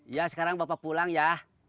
ya sekarang bapak pulang ya